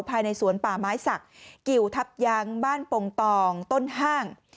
ภายในสวนป่าไม้สักกิวทับยั้งบ้านปงตองต้นห้าง